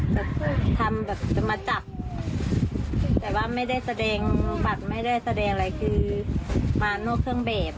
แบบทำแบบจะมาจับแต่ว่าไม่ได้แสดงบัตรไม่ได้แสดงอะไรคือมานอกเครื่องแบบ